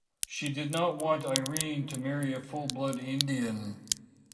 She did not want Irene to marry a full-blood Indian.